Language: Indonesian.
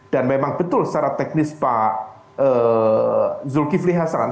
dan memang betul secara teknis pak zulkifli hasan